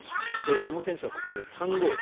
久保選手はここまで３ゴール。